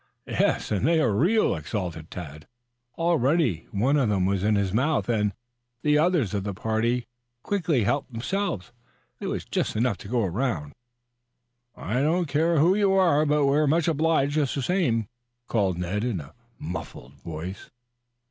"Yes, and they are real," exulted Tad. Already one of them was in his mouth, and the others of the party quickly helped themselves. There was just enough to go around. "I don't care who you are, but we're much obliged just the same," called Ned in a muffled voice.